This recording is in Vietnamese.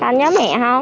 con nhớ mẹ không